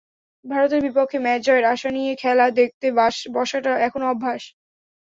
ভারতের বিপক্ষে ম্যাচে জয়ের আশা নিয়ে খেলা দেখতে বসাটা এখন অভ্যাস।